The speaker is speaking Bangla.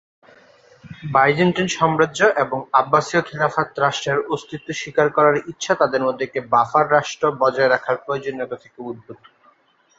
বাইজেন্টাইন সাম্রাজ্য এবং আব্বাসীয় খিলাফতের রাষ্ট্রের অস্তিত্ব স্বীকার করার ইচ্ছা তাদের মধ্যে একটি বাফার রাষ্ট্র বজায় রাখার প্রয়োজনীয়তা থেকে উদ্ভূত।